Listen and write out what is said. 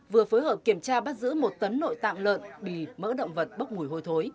vừa phối hợp kiểm tra bắt giữ một tấn nội tạng lợn bì mỡ động vật bốc mùi hôi thối